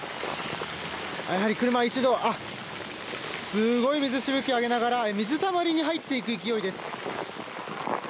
すごい水しぶきを上げながら水たまりに入っていく勢いです。